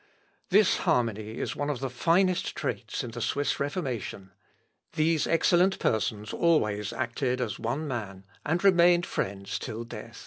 This harmony is one of the finest traits in the Swiss Reformation. These excellent persons always acted as one man, and remained friends till death.